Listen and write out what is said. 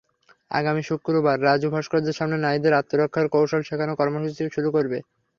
আগামী শুক্রবার রাজু ভাস্কর্যের সামনে নারীদের আত্মরক্ষার কৌশল শেখানো কর্মসূচি শুরু করবে।